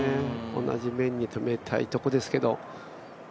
同じ面に止めたいところですけど。